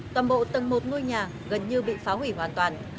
toàn bộ tầng một ngôi nhà gần như bị phá hủy hoàn toàn